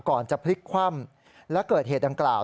ก่อนจะพลิกคว่ำและเกิดเหตุดังกล่าว